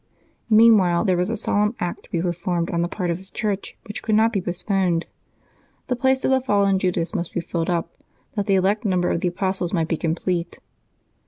Meanwhile there was a solemn act to be performed on the part of the Church, which could not be postponed. The place of the fallen Judas must be filled up, that the elect number of the apostles might be complete.